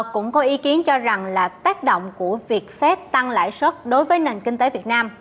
cũng có ý kiến cho rằng là tác động của việc phép tăng lãi suất đối với nền kinh tế việt nam